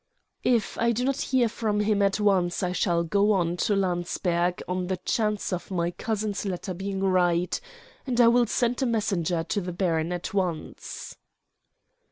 "If I do not hear from him at once, I shall go on to Landsberg on the chance of my cousin's letter being right, and I will send a messenger to the baron at once."